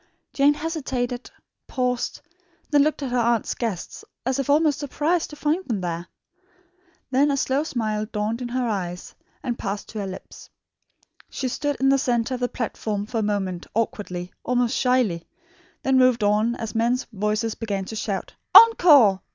Jane hesitated, paused, looked at her aunt's guests as if almost surprised to find them there. Then the slow smile dawned in her eyes and passed to her lips. She stood in the centre of the platform for a moment, awkwardly, almost shyly; then moved on as men's voices began to shout "Encore!